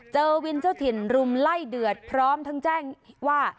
เจอวินเจ้าถิ่นรุมไล่เดือดพร้อมทั้งแจ้งว่า